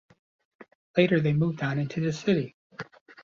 Later they moved down into the city.